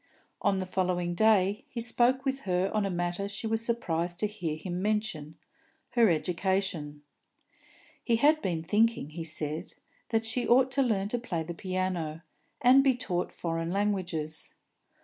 On the following day he spoke with her on a matter she was surprised to hear him mention, her education. He had been thinking, he said, that she ought to learn to play the piano, and be taught foreign languages.